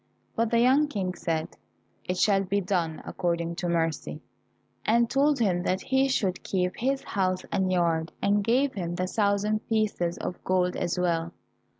But the young King said, "It shall be done according to mercy," and told him that he should keep his house and yard, and gave him the thousand pieces of gold as well.